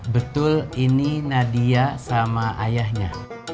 betul ini nadia sama ayahnya